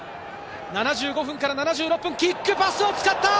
７５分から７６分、キックパスを使った！